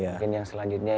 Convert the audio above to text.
mungkin yang selanjutnya